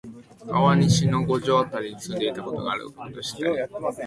川西の五条あたりに住んでいたことがあるということを知ったり、